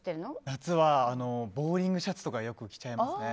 夏はボウリングシャツとかよく着ちゃいますね。